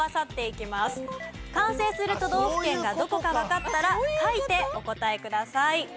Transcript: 完成する都道府県がどこかわかったら書いてお答えください。